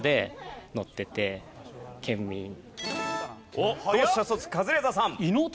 おっ同志社卒カズレーザーさん。